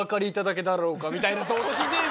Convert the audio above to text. みたいな。